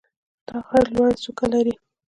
دا غر لوړه څوکه لري.